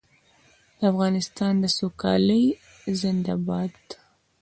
د افغانستان سوکالي زنده باد.